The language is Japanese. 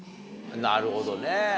なるほどね。